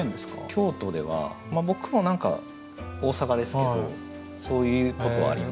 京都ではまあ僕も何か大阪ですけどそういうことありますね。